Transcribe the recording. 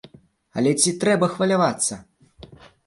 Але ці трэба хвалявацца?